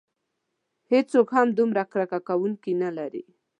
هیڅوک هم دومره کرکه کوونکي نه لري.